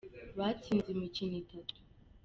batsinze imikino itatu.